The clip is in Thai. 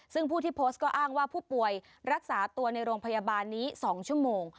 ซึ่งผู้ที่โพสต์ก็อ้างว่าผู้ป่วยรักษาตัวในโรงพยาบาลนี้๒ชั่วโมง